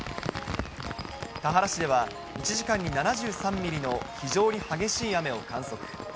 田原市では、１時間に７３ミリの非常に激しい雨を観測。